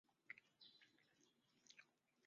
勐海隔距兰为兰科隔距兰属下的一个种。